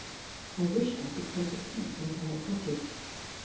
I wished I could take a peep into her cottage.